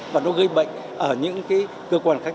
và nó gây bệnh ở những cơ quan